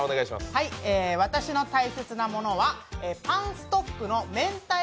私の大切なものはパンストックのめんたい